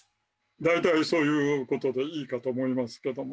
大体そういうことでいいかと思います。